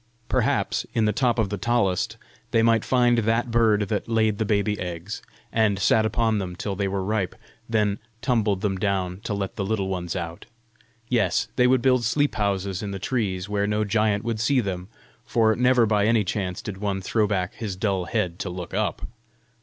Perhaps, in the top of the tallest, they might find that bird that laid the baby eggs, and sat upon them till they were ripe, then tumbled them down to let the little ones out! Yes; they would build sleep houses in the trees, where no giant would see them, for never by any chance did one throw back his dull head to look up!